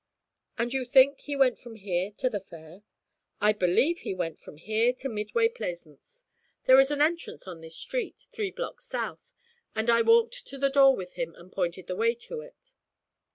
'And you think he went from here to the Fair?' 'I believe he went from here to Midway Plaisance. There is an entrance on this street, three blocks south, and I walked to the door with him and pointed the way to it.'